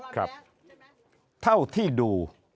ครับเท่าที่ดู